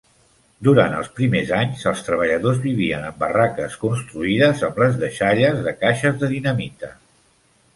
Durant els primers anys, els treballadors vivien en barraques construïdes amb les deixalles de caixes de dinamita.